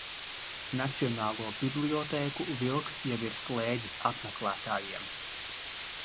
Nacionālo bibliotēku Vilks jau ir slēdzis apmeklētājiem.